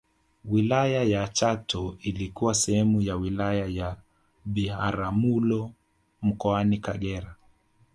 wilaya ya chato ilikuwa sehemu ya wilaya ya biharamulo mkoani kagera